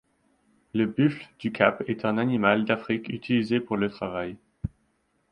Le buffle du cap est un animal d'Afrique utilisé pour le travail